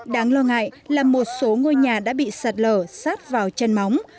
đáng lo ngại là một số ngôi nhà đã bị sạt lở sát vào chân móng